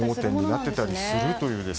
盲点になっていたりするという。